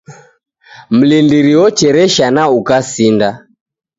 Mlindiri ocheresha na ukasinda